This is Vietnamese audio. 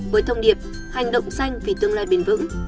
với thông điệp hành động xanh vì tương lai bền vững